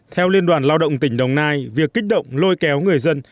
theo liên đoàn lao động tỉnh đồng nai việc kích động lôi kéo người dân